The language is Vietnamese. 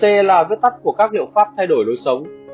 tlc là viết tắt của các hiệu pháp thay đổi lối sống